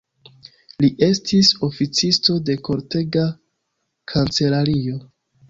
Li estis oficisto de kortega kancelario.